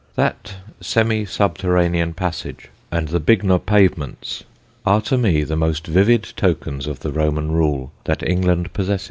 That semi subterranean passage and the Bignor pavements are to me the most vivid tokens of the Roman rule that England possesses.